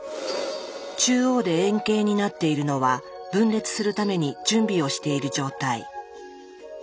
中央で円形になっているのは分裂するために準備をしている状態。